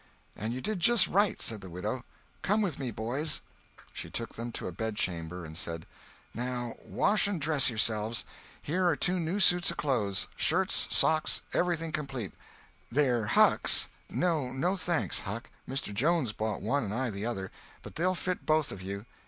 "And you did just right," said the widow. "Come with me, boys." She took them to a bedchamber and said: "Now wash and dress yourselves. Here are two new suits of clothes—shirts, socks, everything complete. They're Huck's—no, no thanks, Huck—Mr. Jones bought one and I the other. But they'll fit both of you.